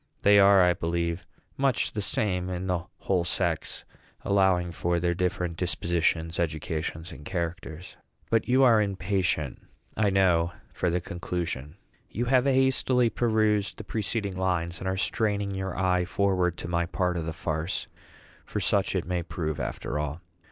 They are, I believe, much the same in the whole sex, allowing for their different dispositions, educations, and characters; but you are impatient, I know, for the conclusion. You have hastily perused the preceding lines, and are straining your eye forward to my part of the farce; for such it may prove, after all.